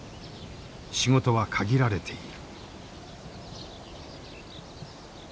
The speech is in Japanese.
仕事は限られている。